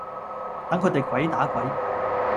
等佢地鬼打鬼